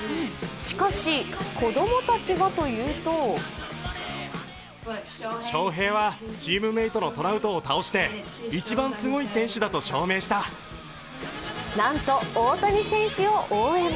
しかし、子供たちはというとなんと、大谷選手を応援。